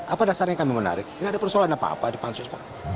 apa dasarnya kami menarik tidak ada persoalan apa apa di pansus pak